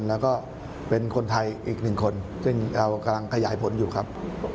แล้วก็เป็นคนไทยอีกหนึ่งคนซึ่งเรากำลังขยายผลอยู่ครับ